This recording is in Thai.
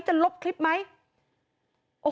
กังฟูเปล่าใหญ่มา